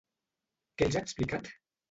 Què els ha explicat?